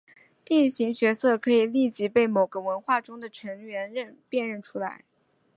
定型角色可以立即被某个文化中的成员辨认出来。